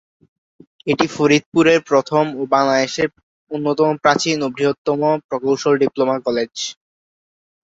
এটি ফরিদপুরের প্রথম ও বাংলাদেশের অন্যতম প্রাচীন ও বৃহত্তম প্রকৌশল ডিপ্লোমা কলেজ।